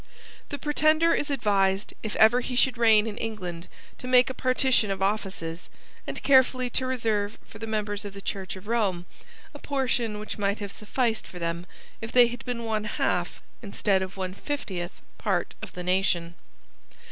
The Pretender is advised if ever he should reign in England, to make a partition of offices, and carefully to reserve for the members of the Church of Rome a portion which might have sufficed for them if they had been one half instead of one fiftieth part of the nation.